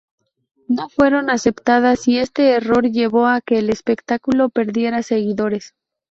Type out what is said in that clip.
No fueron aceptadas y este error llevó a que el espectáculo perdiera seguidores.